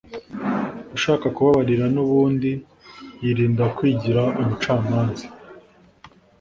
ushaka kubabarira n’ubundi yirinda kwigira umucamanza